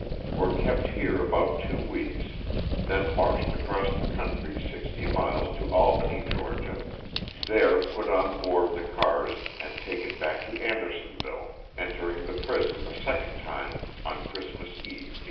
Were kept here about two weeks then marched across the country sixty miles to Albany, Ga., there put on board the cars and taken back to Andersonville, entering the prison the second time on Christmas eve, 1864.